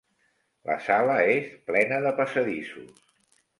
La sala és plena de passadissos.